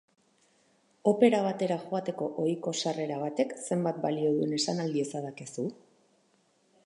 Opera batera joateko ohiko sarrera batek zenbat balio duen esan al diezadakezu?